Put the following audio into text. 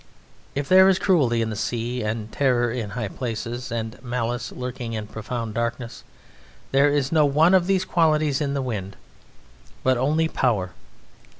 If there is cruelty in the sea, and terror in high places, and malice lurking in profound darkness, there is no one of these qualities in the wind, but only power.